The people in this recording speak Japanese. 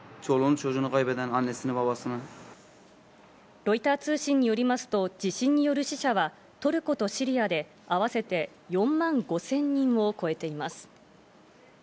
ロイター通信によりますと地震による死者は、トルコとシリアで合わせて４万５０００人を超えています。